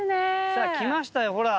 さあ来ましたよほら。